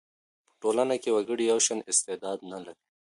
په ټولنه کي وګړي یو شان استعداد نه لري.